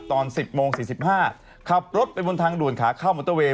ตอน๑๐โมง๔๕ขับรถไปบนทางด่วนขาเข้ามอเตอร์เวย